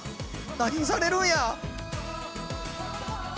何されるんや！